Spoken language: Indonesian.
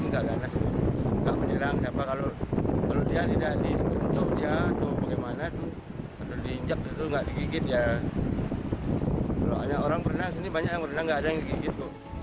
kalau tidak digigit ya kalau banyak orang berenang banyak yang berenang tidak ada yang digigit